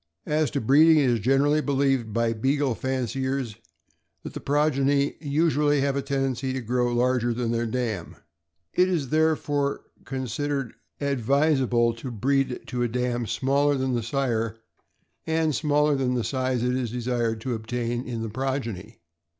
As to breeding, it is generally believed by Beagle fan ciers that the progeny usually have a tendency to grow larger than their dam. It is therefore considered advisa 280 THE AMERICAN BOOK OF THE DOG. ble to breed to a dam smaller than the sire and smaller than the size it is desired to obtain in the progeny.